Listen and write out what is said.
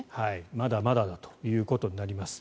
まだまだだということになります。